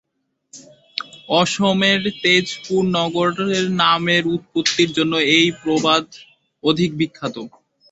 অসমের তেজপুর নগরের নামের উৎপত্তির জন্য এই প্রবাদ অধিক বিখ্যাত।